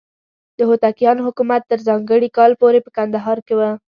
د هوتکیانو حکومت تر ځانګړي کال پورې په کندهار کې و.